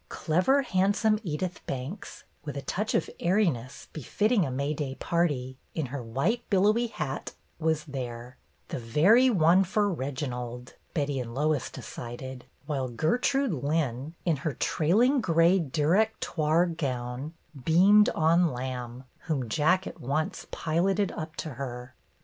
Clever, handsome Edith Banks, with a touch of airiness befitting a May day party in her white billowy hat, was there, "the very one for Reginald," Betty and Lois decided ; while Gertrude Lynn, in her trailing gray Directoire gown, beamed on Lamb, whom Jack at once piloted up to her.